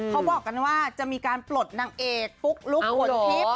เขาบอกกันว่าจะมีการปลดนางเอกปุ๊กลุ๊กฝนทิพย์